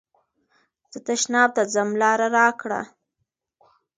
زه تشناب ته ځم لاره راکړه.